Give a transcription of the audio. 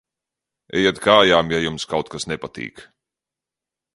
Ejiet kājām, ja jums kaut kas nepatīk!